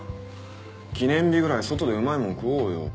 記念日ぐらい外でうまいもん食おうよ。